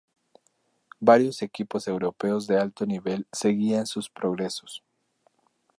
Varios equipos europeos de alto nivel seguían sus progresos.